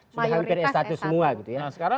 sudah memberikan s satu semua gitu ya